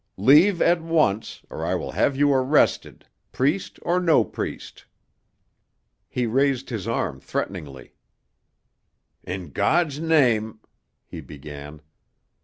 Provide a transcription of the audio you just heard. Leave at once, or I will have you arrested, priest or no priest." He raised his arm threateningly. "In God's name " he began.